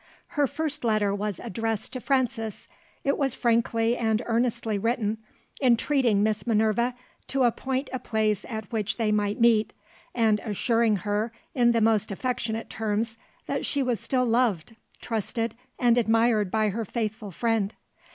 Her first letter was addressed to Frances. It was frankly and earnestly written; entreating Miss Minerva to appoint a place at which they might meet, and assuring her, in the most affectionate terms, that she was still loved, trusted, and admired by her faithful friend.